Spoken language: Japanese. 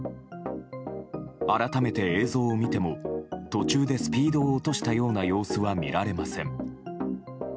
改めて映像を見ても途中でスピードを落としたような様子は見られません。